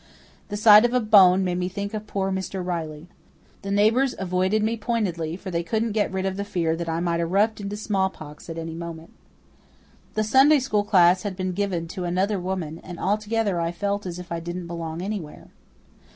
The sight of a bone made me think of poor Mr. Riley. The neighbours avoided me pointedly, for they couldn't get rid of the fear that I might erupt into smallpox at any moment. My Sunday School class had been given to another woman, and altogether I felt as if I didn't belong anywhere.